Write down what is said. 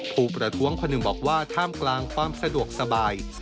ผู้ประท้วงคนหนึ่งบอกว่าท่ามกลางความสะดวกสบาย